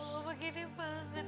ya allah begini bangun